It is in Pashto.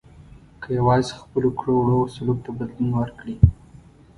که یوازې خپلو کړو وړو او سلوک ته بدلون ورکړي.